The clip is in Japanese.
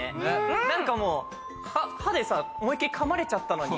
何かもう歯で思い切り噛まれちゃったのに。